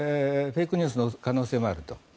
フェイクニュースの可能性もあると。